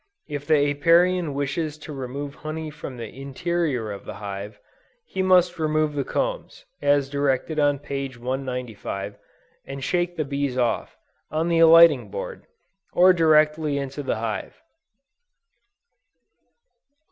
If the Apiarian wishes to remove honey from the interior of the hive, he must remove the combs, as directed on page 195, and shake the bees off, on the alighting board, or directly into the hive.